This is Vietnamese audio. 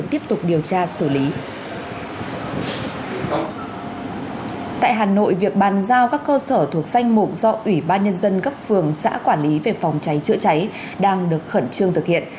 tại hà nội việc bàn giao các cơ sở thuộc danh mục do ủy ban nhân dân cấp phường xã quản lý về phòng cháy chữa cháy đang được khẩn trương thực hiện